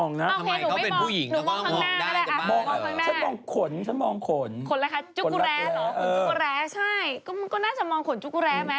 ขนอะไรคะจุกุแร้เหรอขนจุกุแร้ใช่มันก็น่าจะมองขนจุกุแร้ไหม